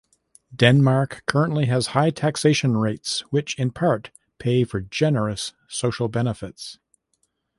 Denmark currently has high taxation rates which in part pay for generous social benefits.